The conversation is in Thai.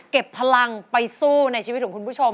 พลังไปสู้ในชีวิตของคุณผู้ชม